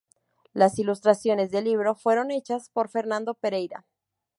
Las ilustraciones del libro fueron hechas por Fernando Pereira.